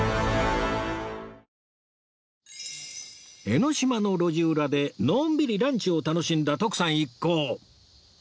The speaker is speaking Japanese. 江の島の路地裏でのんびりランチを楽しんだ徳さん一行